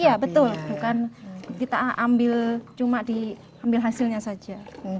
iya betul bukan kita ambil cuma diambil hasilnya saja